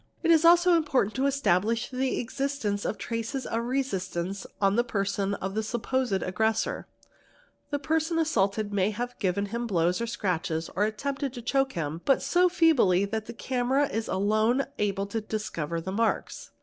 It is also important to establish the existence of traces of resistant on the person of the supposed aggressor; the person assaulted may hay given him blows or scratches, or attempted to choke him, but so that the camera is alone able to discover the marks.